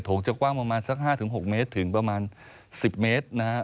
โถงจะกว้างประมาณ๕๖เมตรถึงประมาณ๑๐เมตร